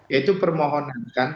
ya itu permohonan kan